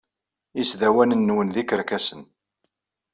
Isdawanen-nwen d ikerkasen.